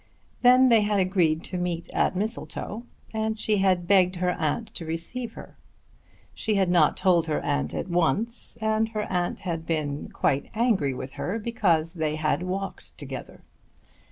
Then they had agreed to meet at Mistletoe, and she had begged her aunt to receive her. She had not told her aunt at once, and her aunt had been angry with her because they had walked together.